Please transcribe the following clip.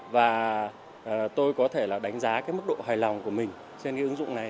và tôi có thể là đánh giá cái mức độ hài lòng của mình trên cái ứng dụng này